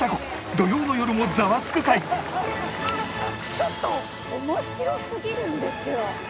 ちょっと面白すぎるんですけど。